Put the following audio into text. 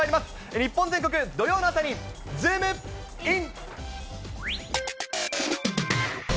日本全国土曜の朝にズームイン！！